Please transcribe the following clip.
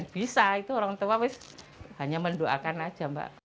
bisa itu orang tua hanya mendoakan aja mbak